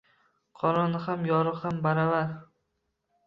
Qorong`i ham, yorug` ham baravar